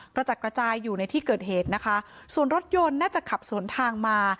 กระจัดกระจายอยู่ในที่เกิดเหตุนะคะส่วนรถยนต์น่าจะขับสวนทางมา